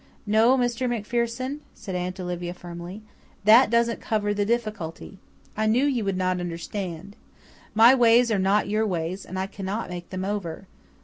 "No, Mr. MacPherson," said Aunt Olivia firmly, "that doesn't cover the difficulty. I knew you would not understand. My ways are not your ways and I cannot make them over.